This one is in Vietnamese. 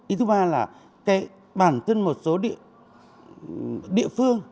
ý thứ ba là bản thân một số địa phương